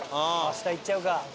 下行っちゃうか。